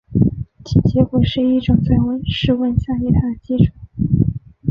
其结果是一种在室温下液态的金属。